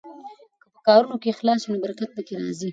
که په کارونو کې اخلاص وي نو برکت پکې راځي.